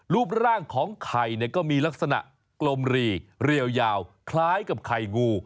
รูปร่างของไข่ก็มีลักษณะกลมหรี่เรียวยาวคล้ายกับไข่งู